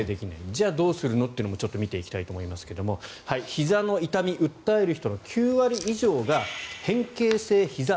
じゃあどうするのっていうのも見ていきたいと思いますがひざの痛み訴える人の９割以上が変形性ひざ